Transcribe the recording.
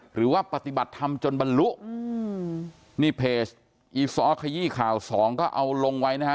หรือว่าปฏิบัติธรรมจนบรรลุอืมนี่เพจอีซ้อขยี้ข่าวสองก็เอาลงไว้นะฮะ